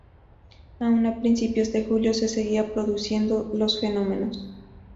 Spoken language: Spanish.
Aun a principios de julio se seguían produciendo los fenómenos.